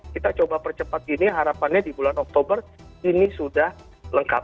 kita coba percepat gini harapannya di bulan oktober ini sudah lengkap